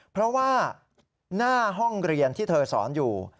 เพราะว่าหน้าห้องเรียนที่เธอสอนอยู่